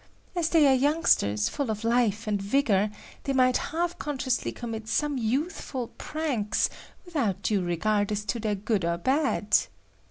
As they are youngsters, full of life and vigor, they might half consciously commit some youthful pranks, without due regard as to their good or bad.